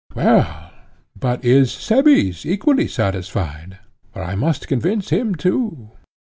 Well, but is Cebes equally satisfied? for I must convince him too.